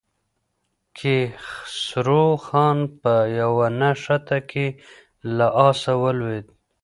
کیخسرو خان په یوه نښته کې له آسه ولوېد.